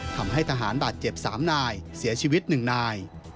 ทำให้ทหารบาดเจ็บ๓นายเสียชีวิต๑นาย